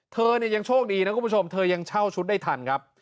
เธอเนี่ยยังโชคดีนะคุณผู้ชมเธอยังเช่าชุดได้ทันครับ